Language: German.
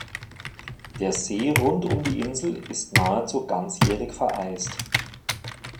Die See rund um die Insel ist nahezu ganzjährig vereist.